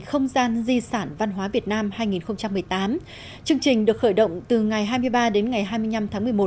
không gian di sản văn hóa việt nam hai nghìn một mươi tám chương trình được khởi động từ ngày hai mươi ba đến ngày hai mươi năm tháng một mươi một